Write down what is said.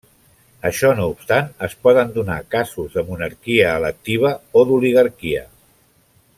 Això no obstant, es poden donar casos de monarquia electiva o d'oligarquia.